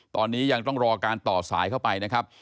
ตอนนี้ยังต้องรอการต่อสายเข้าไปนะครับ